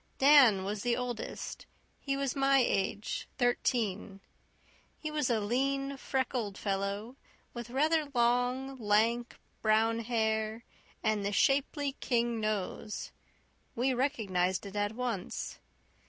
Dan was the oldest; he was my age thirteen. He was a lean, freckled fellow with rather long, lank, brown hair and the shapely King nose. We recognized it at once.